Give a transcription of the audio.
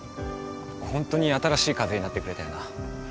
ホントに新しい風になってくれたよな